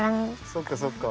そっかそっか。